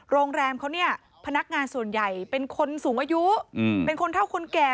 โรงแรมเขาเนี่ยพนักงานส่วนใหญ่เป็นคนสูงอายุเป็นคนเท่าคนแก่